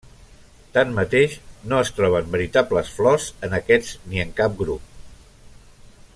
Tanmateix, no es troben veritables flors en aquests ni en cap grup.